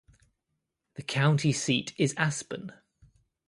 The county seat is Aspen.